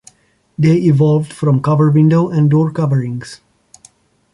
They evolved from cover window and door coverings.